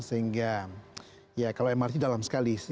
sehingga ya kalau mrt dalam sekali